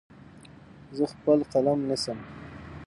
زه خپل قلم نیسم.